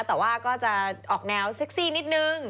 แต่ว่าก็จะออกแนวเซ็กซี่นิดนึง